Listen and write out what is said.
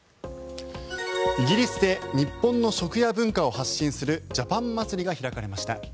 イギリスで日本の食や文化を発信するジャパン祭りが開かれました。